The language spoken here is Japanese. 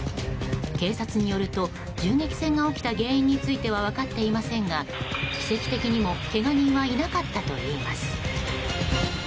警察によると銃撃戦が起きた原因については分かっていませんが奇跡的にも、けが人はいなかったといいます。